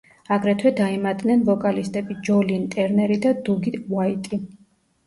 აგრეთვე დაემატნენ ვოკალისტები ჯო ლინ ტერნერი და დუგი უაიტი.